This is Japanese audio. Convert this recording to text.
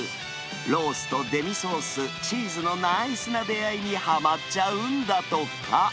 ロースとデミソース、チーズのナイスな出会いにはまっちゃうんだとか。